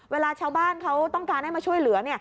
เวลาชาวบ้านเขาต้องการให้มาช่วยเหลือ